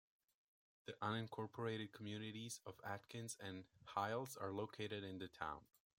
The unincorporated communities of Atkins and Hiles are located in the town.